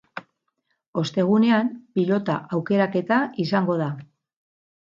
Ostegunean pilota aukeraketa izango da.